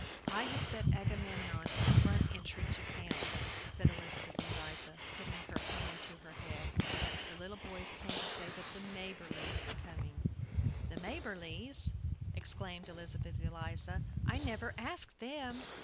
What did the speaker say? "I have set Agamemnon in the front entry to count," said Elizabeth Eliza, putting her hand to her head. The little boys came to say that the Maberlys were coming. "The Maberlys!" exclaimed Elizabeth Eliza. "I never asked them."